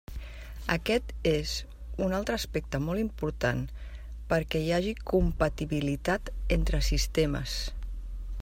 Aquest és un altre aspecte molt important perquè hi hagi compatibilitat entre sistemes.